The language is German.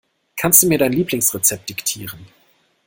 Kannst du mir dein Lieblingsrezept diktieren?